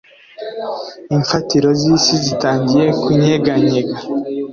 imfatiro z’isi zitangiye kunyeganyega.